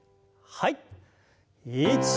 はい。